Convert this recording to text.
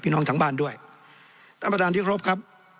น้องทั้งบ้านด้วยท่านประธานที่ครบครับ